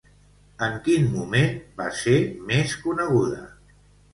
En quin moment va ser més coneguda?